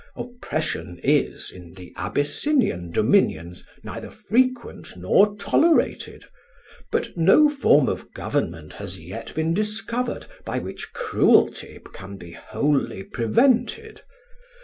Oppression is, in the Abyssinian dominions, neither frequent nor tolerated; but no form of government has been yet discovered by which cruelty can be wholly prevented.